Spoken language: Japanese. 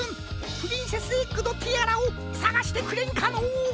プリンセスエッグのティアラをさがしてくれんかのう。